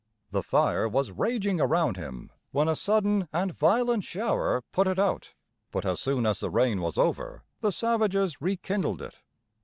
The fire was raging around him when a sudden and violent shower put it out. But as soon as the rain was over the savages rekindled it.